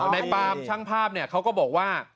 ในปามช่างภาพเขาก็บอกว่า